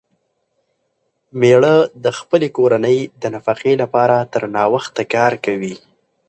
مېړه د خپلې کورنۍ د نفقې لپاره تر ناوخته کار کوي.